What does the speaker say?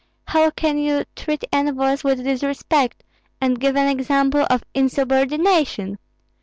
How can you treat envoys with disrespect, and give an example of insubordination?